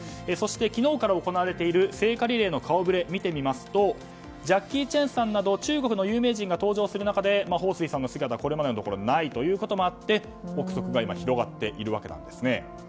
そして昨日から行われている聖火リレーの顔ぶれを見てみますとジャッキー・チェンさんなど中国の有名人が登場する中でホウ・スイさんの姿はこれまでのところないということで憶測が今広がっているわけなんですね。